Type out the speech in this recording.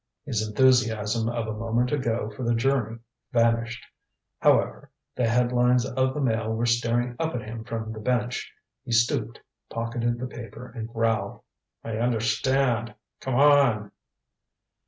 His enthusiasm of a moment ago for the journey vanished. However, the head lines of the Mail were staring up at him from the bench. He stooped, pocketed the paper, and growled: "I understand. Come on!"